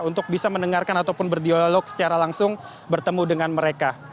untuk bisa mendengarkan ataupun berdialog secara langsung bertemu dengan mereka